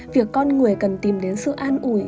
việc con người cần tìm đến sự an ủi